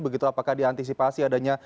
begitu apakah diantisipasi adanya